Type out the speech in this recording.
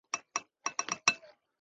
不漏水较理想。